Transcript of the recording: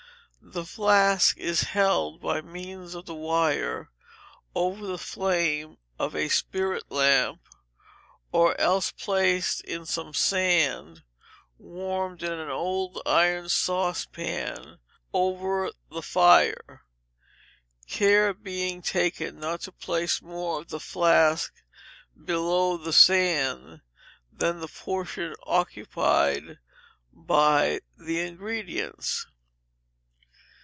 The flask is held by means of the wire over the flame of a spirit lamp, or else placed in some sand warmed in an old iron saucepan over the fire, care being taken not to place more of the flask below the sand than the portion occupied by the ingredients.